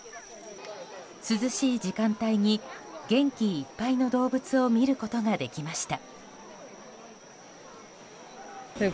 涼しい時間帯に元気いっぱいの動物を見ることができました。